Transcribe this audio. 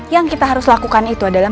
yang kita harus lakukan itu adalah